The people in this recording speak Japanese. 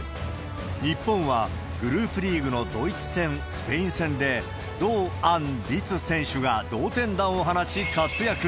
日本はグループリーグのドイツ戦、スペイン戦で、堂安律選手が同点弾を放ち活躍。